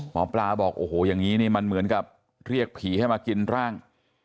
หมอปลาบอกโอ้โหอย่างนี้นี่มันเหมือนกับเรียกผีให้มากินร่าง